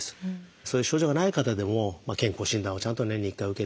そういう症状がない方でも健康診断をちゃんと年に一回受ける。